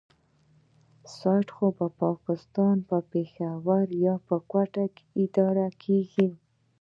سایټ خو په پاکستان په پېښور يا کوټه کې اداره کېږي.